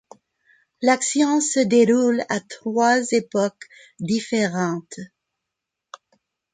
L'action se déroule à trois époques différentes.